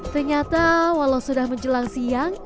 ternyata walau sudah menjelang siang